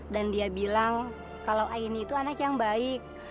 dan dia bilang kalau aini itu anak yang baik